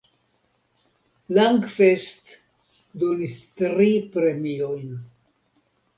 Langfest donis tri premiojn.